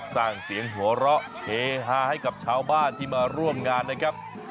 สร้างเสียงหัวเราะเฮฮาให้กับชาวบ้านที่มาร่วมงานนะครับ